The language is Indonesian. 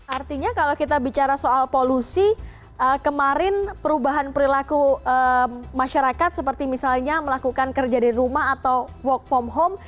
artinya kalau kita bicara soal polusi kemarin perubahan perilaku masyarakat seperti misalnya melakukan kerja di rumah atau work from home